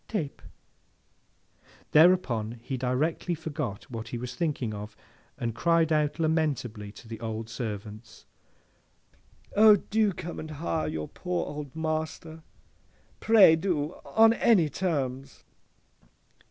—Tape!' Thereupon he directly forgot what he was thinking of, and cried out lamentably to the old servants, 'O, do come and hire your poor old master! Pray do! On any terms!